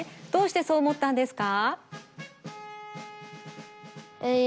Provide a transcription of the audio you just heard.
どうしてそう思ったんですか？